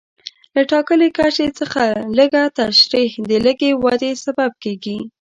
له ټاکلي کچې څخه لږه ترشح د لږې ودې سبب کېږي.